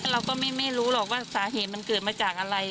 เราก็ไม่รู้หรอกว่าสาเหตุมันเกิดมาจากอะไร